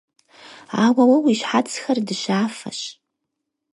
Ауэ уэ уи щхьэцхэр дыщафэщ.